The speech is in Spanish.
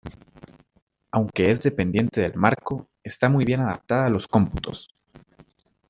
Aunque es dependiente del marco, está muy bien adaptada a los cómputos.